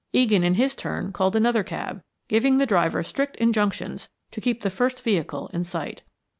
Egan in his turn called another cab, giving the driver strict injunctions to keep the first vehicle in sight.